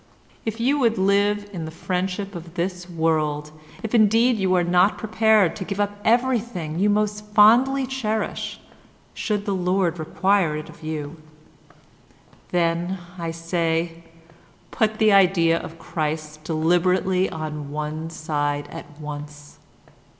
"If you would live in the friendship of this world, if indeed you are not prepared to give up everything you most fondly cherish, should the Lord require it of you, then, I say, put the idea of Christ deliberately on one side at once.